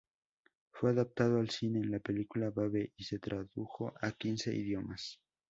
Fue adaptado al cine en la película "Babe" y se tradujo a quince idiomas.